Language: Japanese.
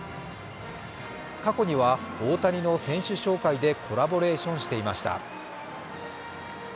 過去には大谷の選手紹介でコラボレーションしていました。